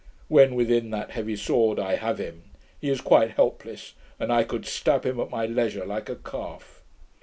When within that heavy sword, I have him; he is quite helpless, and I could stab him at my leisure, like a calf.